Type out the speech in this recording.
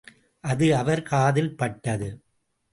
அது அவர் காதில் பட்டது.